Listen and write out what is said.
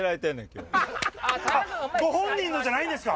本人のじゃないんですか？